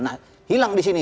nah hilang di sini